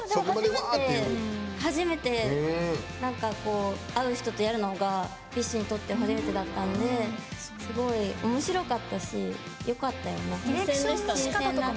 初めて会う人とやるのがＢｉＳＨにとって初めてだったんですごいおもしろかったしよかったよね。